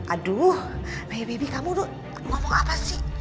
aduh baby kamu udah ngomong apa sih